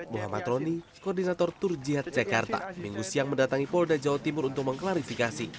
muhammad roni koordinator tur jihad jakarta minggu siang mendatangi polda jawa timur untuk mengklarifikasi